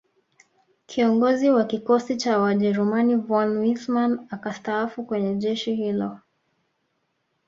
Kiongozi wa Kikosi cha Wajerumani von Wissmann akastaafu kwenye jeshi hilo